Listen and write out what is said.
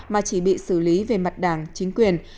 mà chỉ bị xử lý về mặt đảng chính quyền